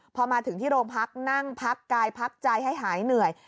พอมาถึงที่โรงพักนั่งพักกายพักใจให้หายเหนื่อย